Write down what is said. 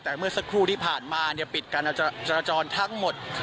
แต่เมื่อสักครู่ที่ผ่านมาปิดการจราจรทั้งหมด